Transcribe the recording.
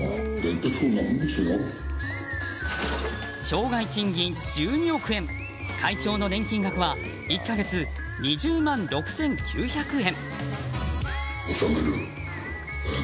生涯賃金１２億円会長の年金額は１か月２０万６９００円。